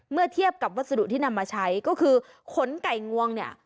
เมื่อเทียบกับวัสดุที่นำมาใช้ก็คือขนไก่งวงเนี่ย